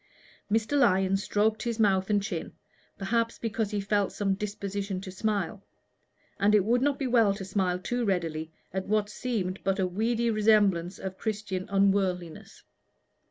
Mr. Lyon stroked his mouth and chin, perhaps because he felt some disposition to smile; and it would not be well to smile too readily at what seemed but a weedy resemblance of Christian unworldliness.